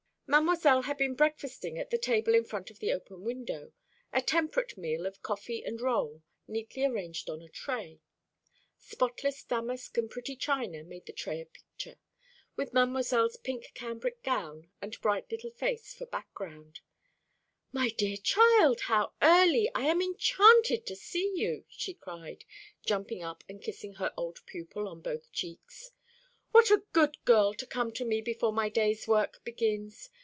Mademoiselle had been breakfasting at a table in front of the open window a temperate meal of coffee and roll, neatly arranged on a tray. Spotless damask and pretty china made the tray a picture, with Mademoiselle's pink cambric gown and bright little face for background. "My dear child, how early! I am enchanted to see you!" she cried, jumping up and kissing her old pupil on both cheeks. "What a good girl to come to me before my day's work begins!